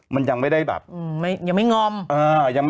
ก็จะมีโอกาสน้อย